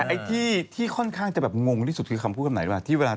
อัทธิส์ค่อนข้างจะแบบงงที่สุดคือคำพูดทางไหนหรือเปล่า